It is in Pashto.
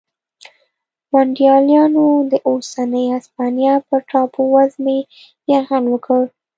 ونډالیانو د اوسنۍ هسپانیا پر ټاپو وزمې یرغل وکړ